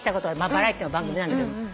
バラエティーの番組なんだけど。